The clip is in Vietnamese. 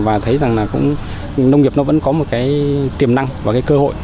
và thấy rằng là cũng nông nghiệp nó vẫn có một cái tiềm năng và cái cơ hội